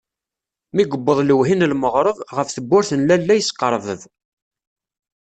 Mi yewweḍ lewhi n lmeɣreb, ɣef tewwurt n lalla yesqerbeb.